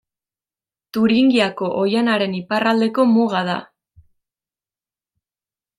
Turingiako oihanaren iparraldeko muga da.